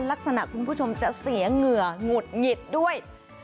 คุณผู้ชมจะเสียเหงื่อหงุดหงิดด้วย